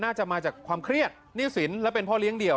น่าจะมาจากความเครียดหนี้สินและเป็นพ่อเลี้ยเดี่ยว